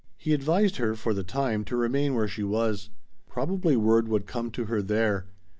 He advised her, for the time, to remain where she was. Probably word would come to her there.